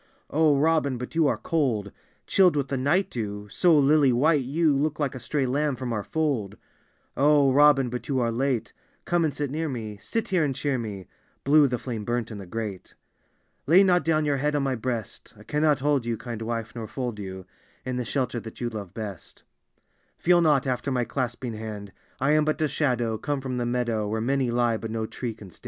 "O Robin, but you are cold — Chilled with the night dew; so lily white you Look like a stray lamb from our fold. " O Robin, but you are late : Come and sit near me — sit here and cheer me." — (Blue the flame burnt in the grate.) "Lay not down your head on my breast: I cannot hold you, kind wife, nor fold you In the shelter that you love best "Feel not after my clasping hand: I am but a shadow, come from the meadow, Where many lie, but no tree can stand.